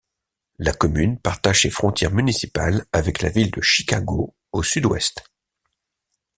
La commune partage ses frontières municipales avec la ville de Chicago au sud-ouest.